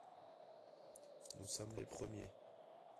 Nous sommes les premiers.